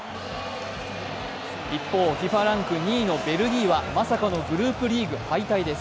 一方、ＦＩＦＡランク２位のベルギーはまさかのグループリーグ敗退です。